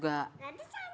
ganti cantik dong